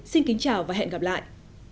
xin kính chào và hẹn gặp lại